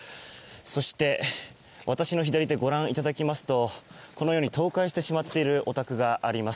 そして、私の左手ご覧いただきますとこのように倒壊してしまっているお宅があります。